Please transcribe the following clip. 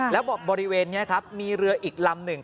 แล้วบอกบริเวณนี้ครับมีเรืออีกลำหนึ่ง